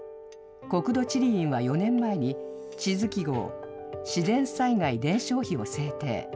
国土地理院は４年前に地図記号、自然災害伝承碑を制定。